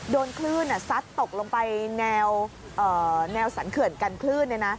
โดนคลื่นอ่ะซัดตกลงไปแนวเอ่อแนวสันเขื่อนกันคลื่นเลยน่ะ